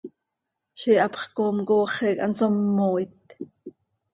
Ziix hapx coom cooxi quih hanso mmooit.